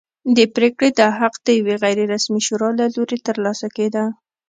د پرېکړې دا حق د یوې غیر رسمي شورا له لوري ترلاسه کېده.